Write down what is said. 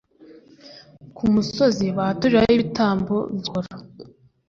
ku musozi baturiraho ibitambo by'ubuhoro